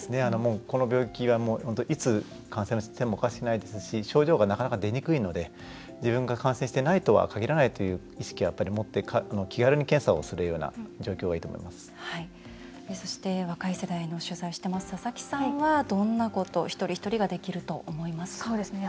この病気はいつ感染してもおかしくないですし症状がなかなか出にくいので自分が感染していないとは限らないという意識を持って気軽に検査をするといったそして、若い世代を取材しています佐々木さんはどんなことが、一人一人ができると思いますか？